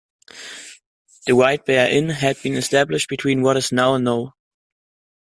The White Bear Inn had been established between what is now No.